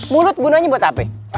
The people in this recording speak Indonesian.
mulut gunanya buat apa